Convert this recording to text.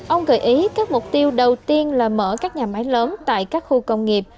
ông gợi ý các mục tiêu đầu tiên là mở các nhà máy lớn tại các khu công nghiệp